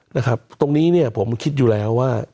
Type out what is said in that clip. ตรงนี้ผมคิดอยู่แล้วว่า